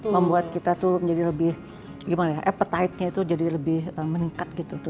membuat kita tuh menjadi lebih gimana ya appetite nya itu jadi lebih meningkat gitu